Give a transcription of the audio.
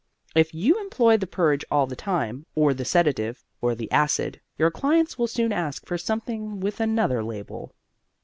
If you employ the purge all the time, or the sedative, or the acid, your clients will soon ask for something with another label.